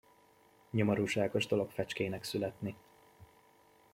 Nyomorúságos dolog fecskének születni!